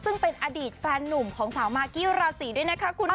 ซึ่งเป็นอดีตแฟนนุ่มของสาวมากกี้ราศีด้วยนะคะคุณ